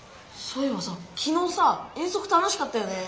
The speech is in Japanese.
そうえいばさきのうさ遠足楽しかったよね。